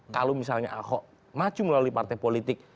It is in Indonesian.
kalau misalnya ahok maju melalui partai politik